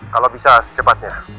kalau bisa secepatnya